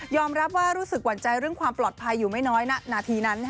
รับว่ารู้สึกหวั่นใจเรื่องความปลอดภัยอยู่ไม่น้อยนาทีนั้น